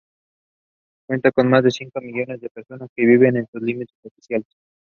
Cuenta con más de cinco millones de personas que viven en sus límites oficiales.